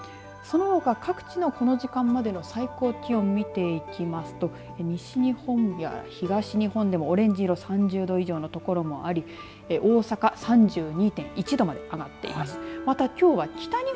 そのほか各地のこの時間までの最高気温を見ていきますと西日本や東日本でもオレンジ色３０度以上の所もあり大阪３２．１度まで上がっています。